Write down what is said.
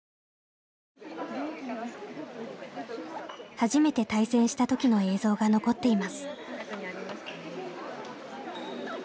初めて対戦した時の映像が残っています。